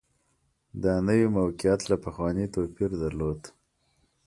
دا نوي موقعیت له پخواني توپیر درلود